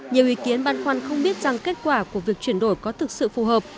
nhiều ý kiến băn khoăn không biết rằng kết quả của việc chuyển đổi có thực sự phù hợp